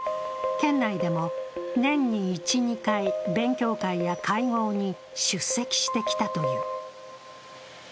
県内でも、年に１２回勉強会や会合に出席してきたという。